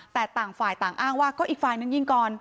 แต่ต่างฝ่ายต่างอ้างว่าก็อีกฝ่ายนึงยิงก่อน